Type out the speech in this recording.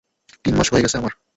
তিন মাস হয়ে গেছে আমার।